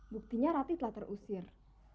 buktinya rati telah terusir